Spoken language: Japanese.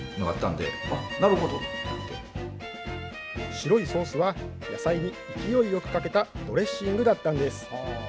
白いソースは野菜に勢いよくかけたドレッシングだったんです。